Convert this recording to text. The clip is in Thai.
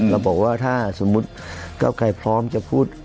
แต่ว่าถ้าสมมติก้าวไกลพร้อมจะพูด